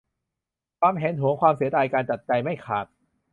ความแหนหวง ความเสียดาย การตัดใจไม่ขาด